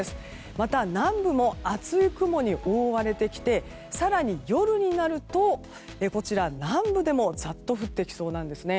また、南部も厚い雲に覆われてきて更に夜になると、南部でもザッと降ってきそうなんですね。